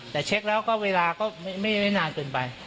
แต่เช็คแล้วก็เวลาก็ไม่นานเกินไป